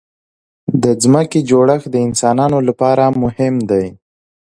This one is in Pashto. د ځمکې جوړښت د انسانانو لپاره مهم دی.